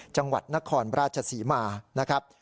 จังหวัดนครราชศรีมานะครับ